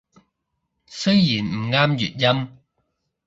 雖然唔啱粵音